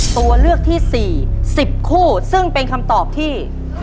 ตัวเลือกที่สี่สิบคู่ซึ่งเป็นคำตอบที่